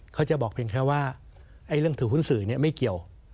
เขาจะบอกเพียงแค่ว่าเรื่องถือหุ้นสื่อไม่เกี่ยว